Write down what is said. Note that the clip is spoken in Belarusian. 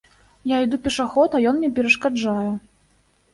Я іду пешаход, а ён мне перашкаджае.